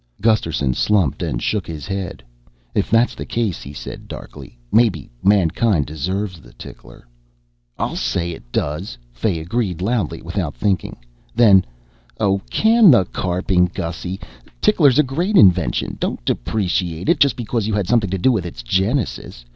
Gusterson slumped and shook his head. "If that's the case," he said darkly, "maybe mankind deserves the tickler." "I'll say it does!" Fay agreed loudly without thinking. Then, "Oh, can the carping, Gussy. Tickler's a great invention. Don't deprecate it just because you had something to do with its genesis.